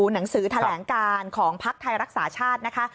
หนังสือแถลงการของภักดิ์ไทยรักษาชาตินะคะ